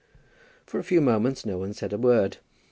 For a few moments no one said a word.